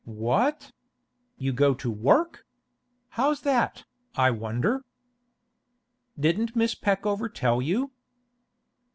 'What? You go to work? How's that, I wonder?' 'Didn't Miss Peckover tell you?